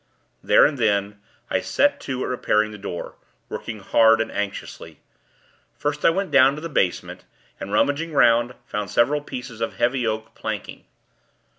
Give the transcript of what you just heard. There and then, I set to, at repairing the door working hard and anxiously. First, I went down to the basement, and, rummaging 'round, found several pieces of heavy oak planking.